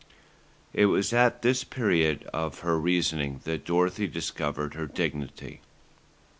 It was at this period of her reasoning that Dorothy discovered her dignity.